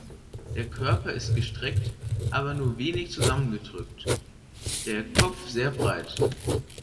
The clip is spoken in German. Der Körper ist gestreckt, aber nur wenig zusammengedrückt, der Kopf sehr breit.